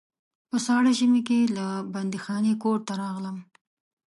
په ساړه ژمي کې له بندیخانې کور ته راغلم.